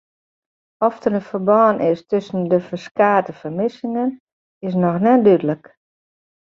Oft der in ferbân is tusken de ferskate fermissingen is noch net dúdlik.